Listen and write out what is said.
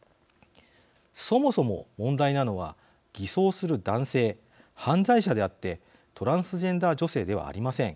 そもそも問題なのは偽装する男性犯罪者であってトランスジェンダー女性ではありません。